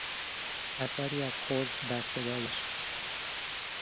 اثری از حزن در صدایش